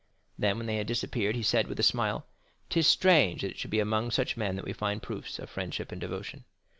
Then, when they had disappeared, he said with a smile,—"'Tis strange that it should be among such men that we find proofs of friendship and devotion."